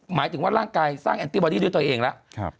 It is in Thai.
หมายถึงว่าร่างกายสร้างแอนตี้บอดี้ด้วยตัวเองแล้ว